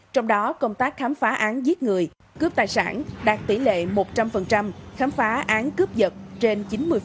trong đó công tác khám phá án giết người cướp tài sản đạt tỷ lệ một trăm linh khám phá án cướp giật trên chín mươi